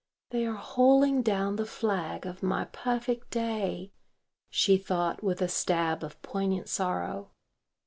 "They are hauling down the flag of my perfect day," she thought with a stab of poignant sorrow.